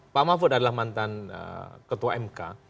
pak mahfud adalah mantan ketua mk